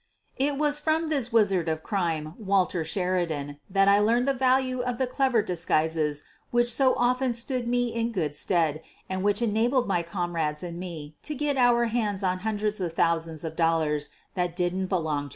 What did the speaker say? It was from this wizard of crime, Walter Sheri dan, that I learned the value of the clever disguises which so often stood me in good stead and which enabled my comrades and me to get our hands on hundreds of thousands of dollars that didn't belong to us.